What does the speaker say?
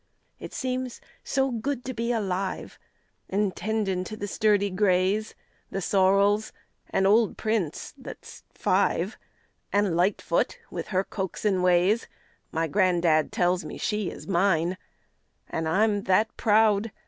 It seems so good to be alive, An' tendin' to the sturdy grays, The sorrels, and old Prince, that's five An' Lightfoot with her coaxing ways. My gran'dad tells me she is mine, An' I'm that proud!